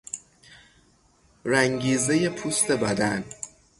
رنگیزهی پوست بدن